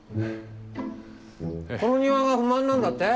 この庭が不満なんだって？